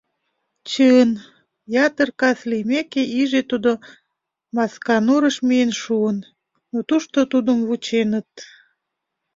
Чын, ятыр кас лиймеке иже тудо Масканурыш миен шуын, но тушто тудым вученыт.